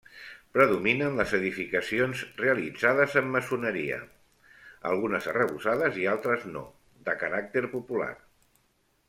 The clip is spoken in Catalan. Predominen les edificacions realitzades en maçoneria, algunes arrebossades i altres no, de caràcter popular.